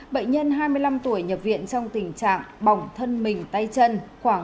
bệnh nhân hai mươi năm tuổi nhập viện trong tình trạng bỏng thân mình tay chân khoảng bốn mươi